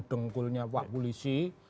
dengkulnya pak polisi